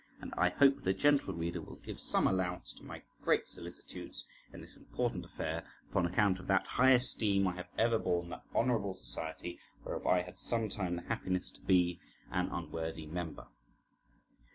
And I hope the gentle reader will give some allowance to my great solicitudes in this important affair, upon account of that high esteem I have ever borne that honourable society, whereof I had some time the happiness to be an unworthy member.